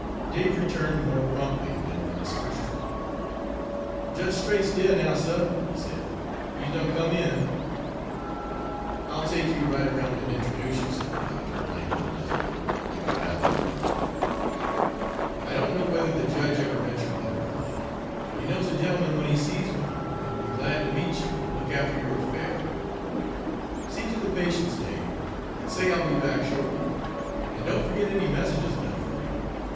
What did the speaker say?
Dave returned more promptly than from his first trip. "Jedge Straight's dere now, suh," he said. "He's done come in." "I'll take you right around and introduce you," said the doctor, running on pleasantly, like a babbling brook. "I don't know whether the judge ever met your mother or not, but he knows a gentleman when he sees one, and will be glad to meet you and look after your affair. See to the patients, Dave, and say I'll be back shortly, and don't forget any messages left for me.